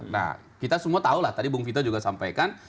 nah kita semua tahu lah tadi bung vito juga sampaikan